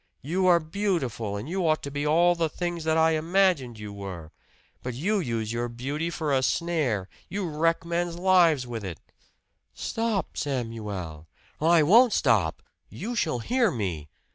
You are beautiful, and you ought to be all the things that I imagined you were! But you use your beauty for a snare you wreck men's lives with it " "Stop, Samuel!" "I won't stop! You shall hear me!